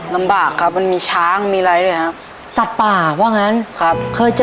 ลำบากครับมันมีช้างมีไรด้วยครับ